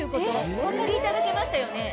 お分かりいただけましたよね？